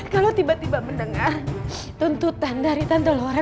kalau tiba tiba mendengar tuntutan dari tante laura